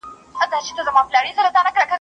زه له سهاره مکتب ته ځم.